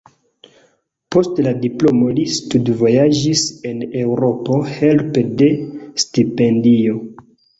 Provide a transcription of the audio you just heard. Post la diplomo li studvojaĝis en Eŭropo helpe de stipendio.